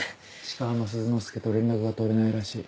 鹿浜鈴之介と連絡が取れないらしい。